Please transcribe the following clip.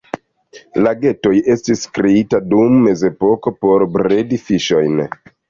Lagetoj estis kreitaj dum mezepoko por bredi fiŝojn.